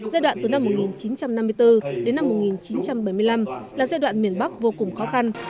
giai đoạn từ năm một nghìn chín trăm năm mươi bốn đến năm một nghìn chín trăm bảy mươi năm là giai đoạn miền bắc vô cùng khó khăn